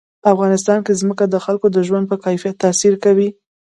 افغانستان کې ځمکه د خلکو د ژوند په کیفیت تاثیر کوي.